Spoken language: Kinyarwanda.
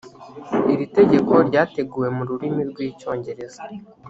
iri tegeko ryateguwe mu rurimi rw icyongereza